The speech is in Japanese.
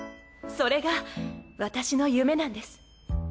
それが私の夢なんです。